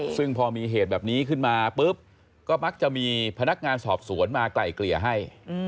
ซึ่งพอมีเหตุแบบนี้ขึ้นมาปุ๊บก็มักจะมีพนักงานสอบสวนมาไกลเกลี่ยให้